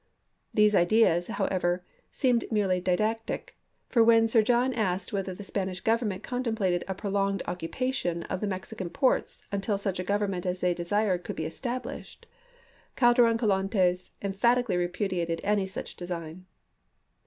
These ideas, however, seemed merely didactic, for when Sir John asked whether the Spanish Grovernment contemplated a prolonged occupation of the Mexican ports until such a gov ernment as they desired should be established, Calderon Collantes emphatically repudiated any such design.